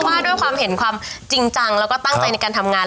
ว่าด้วยความเห็นความจริงจังแล้วก็ตั้งใจในการทำงาน